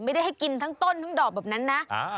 ให้กินทั้งต้นทั้งดอกแบบนั้นนะ